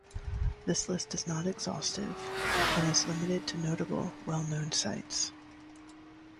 This list is not exhaustive, and is limited to notable, well-known sites.